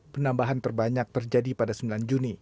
penambahan terbanyak terjadi pada sembilan juni